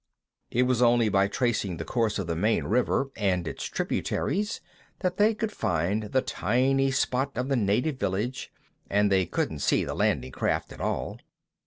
It was only by tracing the course of the main river and its tributaries that they could find the tiny spot of the native village, and they couldn't see the landing craft at all.